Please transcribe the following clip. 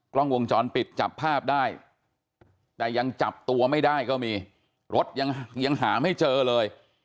กล้องวงจรปิดจับภาพได้แต่ยังจับตัวไม่ได้ก็มีรถยังหาไม่เจอเลย